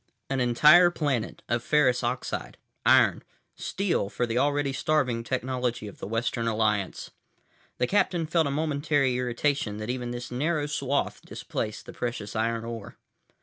An entire planet of ferrous oxide—iron—steel for the already starving technology of the Western Alliance. The captain felt a momentary irritation that even this narrow swath displaced the precious iron ore.